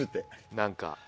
何か。